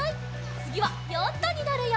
つぎはヨットになるよ！